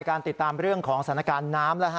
การติดตามเรื่องของสถานการณ์น้ำ